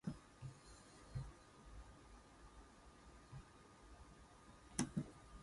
She was born in Beauceville, Quebec.